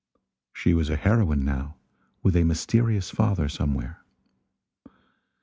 She was a heroine, now, with a mysterious father somewhere.